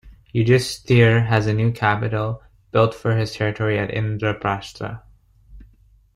Yudhishthira has a new capital built for this territory at Indraprastha.